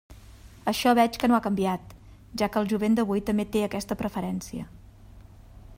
Això veig que no ha canviat, ja que el jovent d'avui també té aquesta preferència.